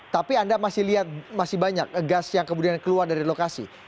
tapi anda masih lihat masih banyak gas yang kemudian keluar dari lokasi